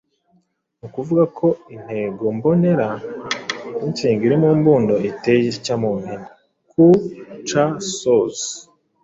Ni ukuvuga ko intego mbonera y’inshinga iri mu mbundo iteye itya mu mpine: Ku-C-Soz.